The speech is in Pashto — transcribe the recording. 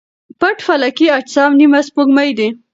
پټ فلکي اجسام نیمه سپوږمۍ دي.